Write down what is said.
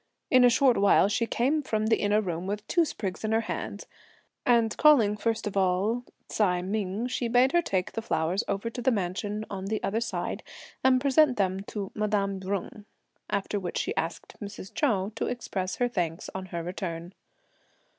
In a short while she came from the inner room with two sprigs in her hand, and calling first of all Ts'ai Ming, she bade her take the flowers over to the mansion on the other side and present them to "madame" Jung, after which she asked Mrs. Chou to express her thanks on her return.